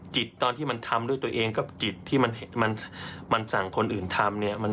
จิตตอนที่มันทำด้วยตัวเองกับจิตที่มันสั่งคนอื่นทำเนี่ย